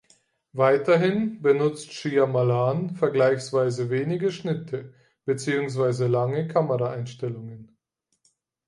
Weiterhin benutzt Shyamalan vergleichsweise wenige Schnitte beziehungsweise lange Kameraeinstellungen.